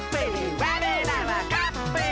われらはカップル」